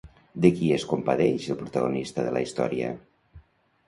De qui es compadeix el protagonista de la història?